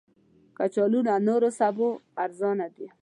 کچالو له نورو سبو ارزانه دي